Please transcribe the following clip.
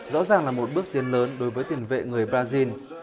rõ ràng là một bước tiến lớn đối với tiền vệ người brazil